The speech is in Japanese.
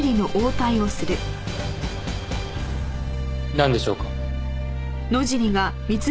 なんでしょうか？